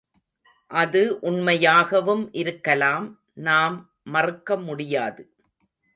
அது உண்மையாகவும் இருக்கலாம் நாம் மறுக்க முடியாது.